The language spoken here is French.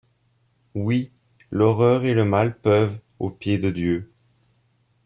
Oui, l’horreur et le mal peuvent aux pieds de Dieu